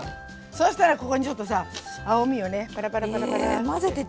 そうしたらここにちょっとさ青みをねパラパラパラパラって。